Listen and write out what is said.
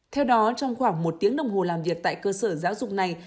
theo đó trong khoảng một tiếng đồng hồ làm việc tại cơ sở giáo dục này